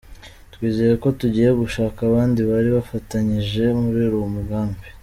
Twizeye ko tugiye gushaka abandi bari bafatanyije muri uwo mugambi.